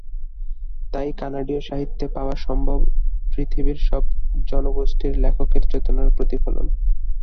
তাই কানাডীয় সাহিত্যে পাওয়া সম্ভব পৃথিবীর সব জনগোষ্ঠীর লেখকের চেতনার প্রতিফলন।